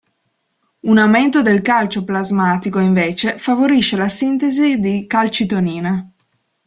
Un aumento del calcio plasmatico, invece, favorisce la sintesi di calcitonina.